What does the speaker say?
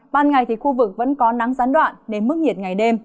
ban ngày thì khu vực vẫn có nắng gián đoạn nên mức nhiệt ngày đêm